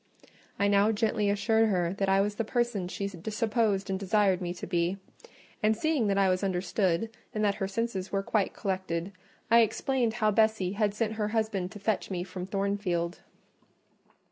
I now gently assured her that I was the person she supposed and desired me to be: and seeing that I was understood, and that her senses were quite collected, I explained how Bessie had sent her husband to fetch me from Thornfield.